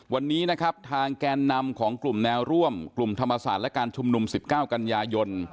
วันนี้นะครับทางแกนนำของกลุ่มแนวร่วมกลุ่มธรรมศาสตร์และการชุมนุม๑๙กันยายน